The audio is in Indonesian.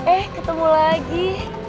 eh ketemu lagi